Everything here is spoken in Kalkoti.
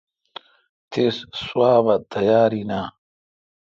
تس سواب تیار این اؘ۔